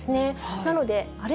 なので、あれ？